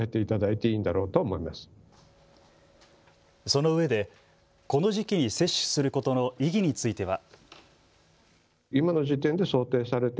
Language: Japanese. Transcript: そのうえでこの時期に接種することの意義については。